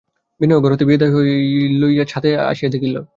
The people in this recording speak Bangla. বিনয়ও ঘর হইতে বিদায় লইয়া ছাতে আসিয়া দেখা দিল।